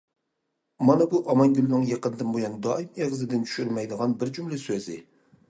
مانا بۇ ئامانگۈلنىڭ يېقىندىن بۇيان دائىم ئېغىزىدىن چۈشۈرمەيدىغان بىر جۈملە سۆزى.